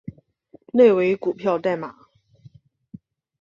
内为股票代码